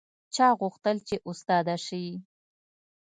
چا غوښتل چې استاده شي